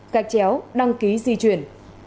các chéo đăng ký di chuyển